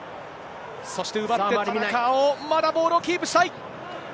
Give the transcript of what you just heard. そして奪って、田中碧。まだボールをキープしたい。